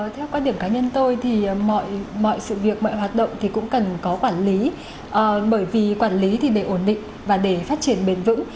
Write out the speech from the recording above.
theo quan điểm cá nhân tôi thì mọi sự việc mọi hoạt động thì cũng cần có quản lý bởi vì quản lý thì để ổn định và để phát triển bền vững